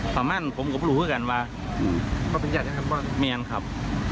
ประมาณผมก็ไปหาพวกกันว่าไม่ยังขับ